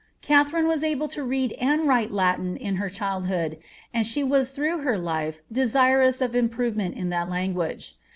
Katharine was able to read and write Latin in her childhood, and she was through life desirous of improvement in that language.